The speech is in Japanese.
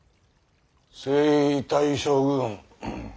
征夷大将軍。